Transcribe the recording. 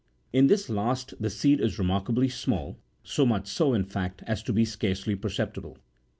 In this last, the seed is remarkably45 small, so much so, in fact, as to be scarcely perceptible.